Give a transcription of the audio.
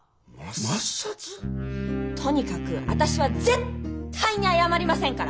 とにかく私は絶対に謝りませんから！